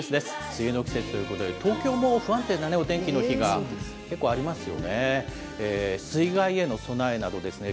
梅雨の季節ということで、東京も不安定なお天気の日が結構ありますね。